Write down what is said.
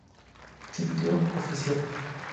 Sito Oficial